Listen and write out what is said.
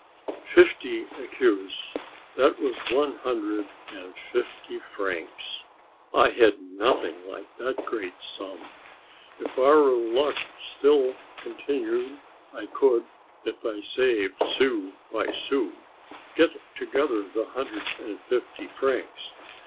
Fifty écus; that was one hundred and fifty francs! I had nothing like that great sum. Perhaps if our luck still continued I could, if I saved sou by sou, get together the hundred and fifty francs.